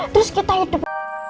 terus kita hidup